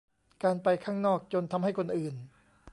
การไปข้างนอกจนทำให้คนอื่น